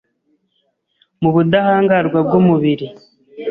mu budahangarwa bw’umubiri,